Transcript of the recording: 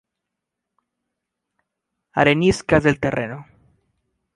Areniscas del terreno.